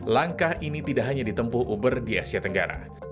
langkah ini tidak hanya ditempuh uber di asia tenggara